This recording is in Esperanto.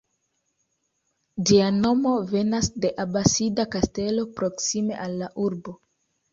Ĝia nomo venas de abasida kastelo proksime al la urbo.